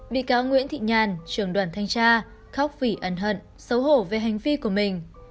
bị cáo nguyễn thị nhàn trưởng đoàn thanh tra khóc vì ấn hận xấu hổ về hành vi của mình